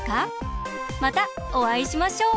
またおあいしましょう！